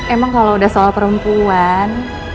emang kalau udah soal perempuan